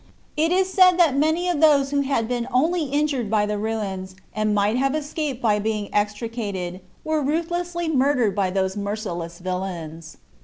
It is said that many of those who had been only injured by the ruins, and might have escaped by being extricated, were ruthlessly murdered by those merciless villains.